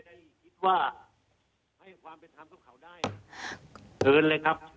คิดว่าให้ความเป็นดำก็เขาได้